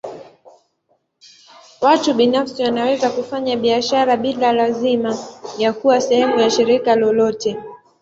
Watu binafsi wanaweza kufanya biashara bila lazima ya kuwa sehemu ya shirika lolote.